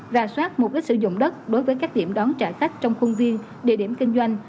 ra soát mục đích sử dụng đất đối với các điểm đón trả khách trong khuôn viên địa điểm kinh doanh